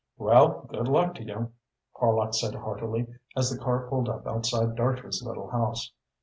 "Well, good luck to you!" Horlock said heartily, as the car pulled up outside Dartrey's little house.